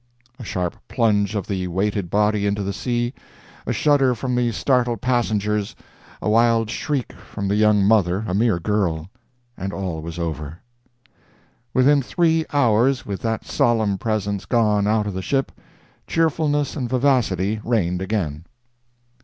"—a sharp plunge of the weighted body into the sea, a shudder from the startled passengers, a wild shriek from the young mother (a mere girl), and all was over. Within three hours, with that solemn presence gone out of the ship, cheerfulness and vivacity reigned again.